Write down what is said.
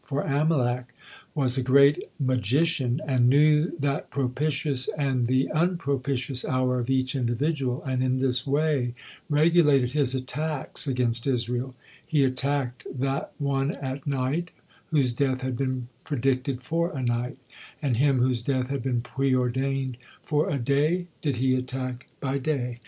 For Amalek was a great magician and knew that propitious and the unpropitious hour of each individual, and in this way regulated his attacks against Israel; he attacked that one at night, whose death had been predicted for a night, and him whose death had been preordained for a day did he attack by day.